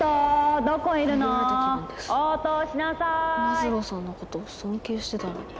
マズローさんのこと尊敬してたのに。